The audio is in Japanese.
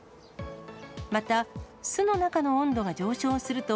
また、巣の中の温度が上昇すると、